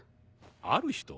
ある人？